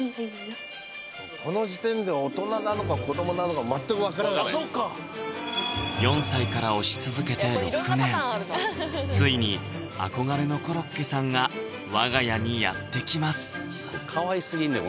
この時点で大人なのか子どもなのか全く分からないあっそっか４歳から推し続けて６年ついに憧れのコロッケさんが我が家にやって来ますかわいすぎんねん